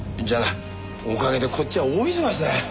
おかげでこっちは大忙しだ。